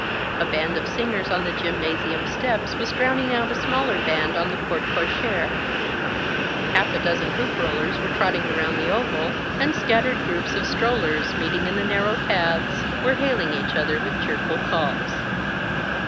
A band of singers on the gymnasium steps was drowning out a smaller band on the porte cochère; half a dozen hoop rollers were trotting around the oval, and scattered groups of strollers, meeting in the narrow paths, were hailing each other with cheerful calls.